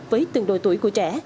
với tương đối tuổi của trẻ